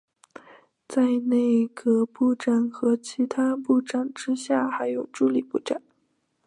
在内阁部长和其他部长之下还有助理部长。